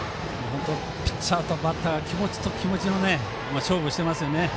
ピッチャーとバッター気持ちと気持ちの勝負ですね。